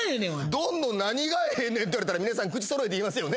ドンの何がええって言われたら皆さん口揃えて言いますよね？